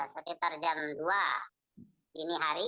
sekitar jam dua dini hari